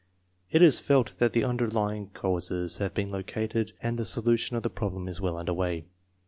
It is felt that the underlying causes have been located and that the solution of the problem is well under way.